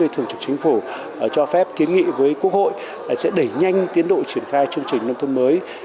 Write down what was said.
thường trực chính phủ cho phép kiến nghị với quốc hội sẽ đẩy nhanh tiến độ triển khai chương trình nông thôn mới